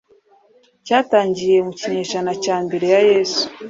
cyatangiye mu kinyejana cya mbere ya Yesu